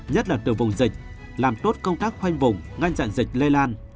nhất là từ vùng dịch làm tốt công tác khoanh vùng ngăn chặn dịch lây lan